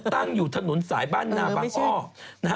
ตั้งอยู่ถนนสายบ้านนาบังอ้อ